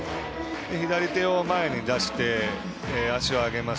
左手を前に出して足を上げます。